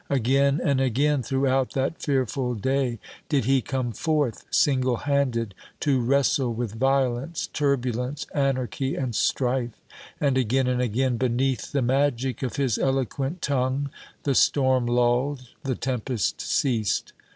Again and again, throughout that fearful day, did he come forth, single handed, to wrestle with violence, turbulence, anarchy and strife; and again and again, beneath the magic of his eloquent tongue, the storm lulled, the tempest ceased.